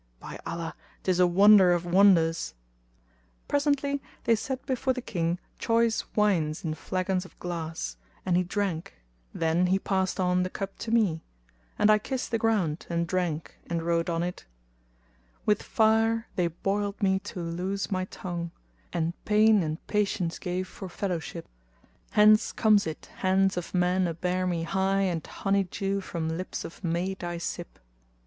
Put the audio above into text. By Allah, 'tis a wonder of wonders!" Presently they set before the King choice wines in flagons of glass and he drank: then he passed on the cup to me; and I kissed the ground and drank and wrote on it:— With fire they boiled me to loose my tongue,[FN#243] * And pain and patience gave for fellowship: Hence comes it hands of men upbear me high * And honey dew from lips of maid I sip!